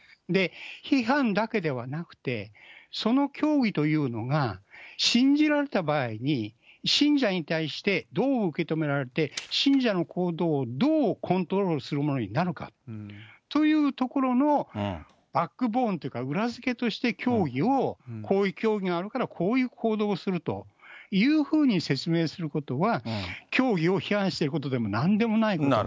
批判だけではなくて、その教義というのが信じられた場合に、信者に対してどう受け止められて、信者の行動をどうコントロールするものになるかというところのバックボーンというか、裏付けとして教義をこういう教義があるから、こういう行動をするというふうに説明することは、教義を批判してることでもなんでもないこと。